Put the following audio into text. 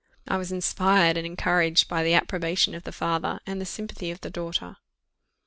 I was inspired and encouraged by the approbation of the father, and the sympathy of the daughter.